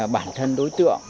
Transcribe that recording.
bản thân đối tượng